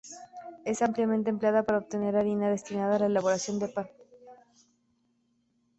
Es ampliamente empleada para obtener harina destinada a la elaboración de pan.